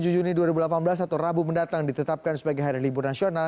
tujuh juni dua ribu delapan belas atau rabu mendatang ditetapkan sebagai hari libur nasional